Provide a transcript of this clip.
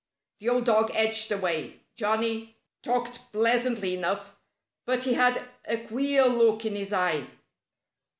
The old dog edged away. Johnnie talked pleasantly enough. But he had a queer look in his eye.